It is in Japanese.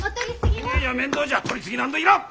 いやいや面倒じゃ取り次ぎなんどいらん！